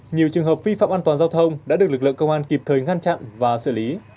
nhiều trường hợp vi phạm an toàn giao thông đã được lực lượng công an kịp thời ngăn chặn và xử lý